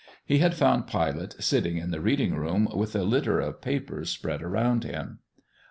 He had found Pilate sitting in the reading room with a litter of papers spread around him.